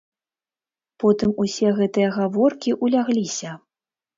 Потым усе гэтыя гаворкі ўлягліся.